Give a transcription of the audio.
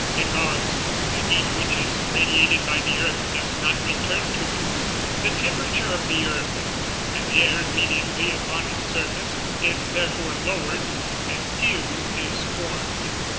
_ Because the heat which is radiated by the earth does not return to it. The temperature of the earth, and the air immediately upon its surface, is therefore lowered, and dew is formed.